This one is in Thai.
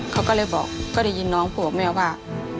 เขาก็เลยบอกก็ได้ยินน้องพูดกับแม่ว่า